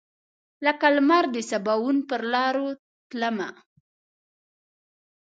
لکه لمر دسباوون پر لاروتلمه